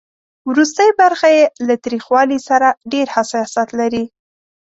ورستۍ برخه یې له تریخوالي سره ډېر حساسیت لري.